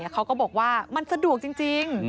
เขาก็บอกว่ามันสะดวกจริง